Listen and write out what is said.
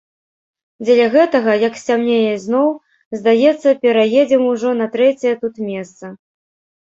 Дзеля гэтага, як сцямнее ізноў, здаецца, пераедзем ужо на трэцяе тут месца.